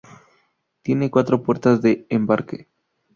Tiene cuatro puertas de embarque.